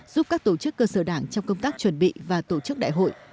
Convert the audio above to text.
giúp các tổ chức cơ sở đảng trong công tác chuẩn bị và tổ chức đại hội